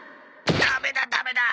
ダメだダメだ！